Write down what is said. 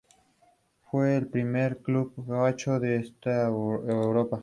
Fue el primer club gaúcho a estar en Europa.